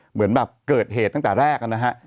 เหมือนแบบเกิดเหตุตั้งแต่แรกนะฮะ